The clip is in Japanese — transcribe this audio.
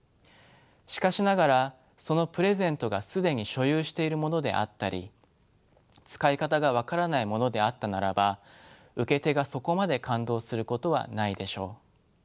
しかしながらそのプレゼントが既に所有しているものであったり使い方が分からないものであったならば受け手がそこまで感動することはないでしょう。